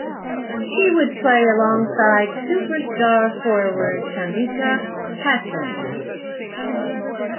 She would play alongside superstar forward Tamika Catchings.